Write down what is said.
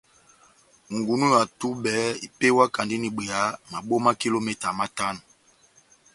Ngunú ya tubɛ epewakandi n'ibwea mabo ma kilo matano.